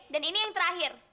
dan ini yang terakhir